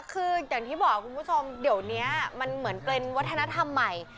คืออย่างที่บอกคุณผู้ชมเดี๋ยวนี้มันเหมือนเป็นวัฒนธรรมใหม่